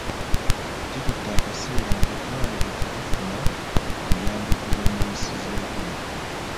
Kitutte akaseera ng'eddwaliro terifuna buyambi kuva mu nsi z'ebweru.